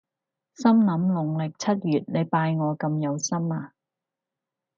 心諗農曆七月你拜我咁有心呀？